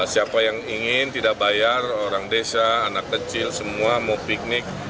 siapa yang ingin tidak bayar orang desa anak kecil semua mau piknik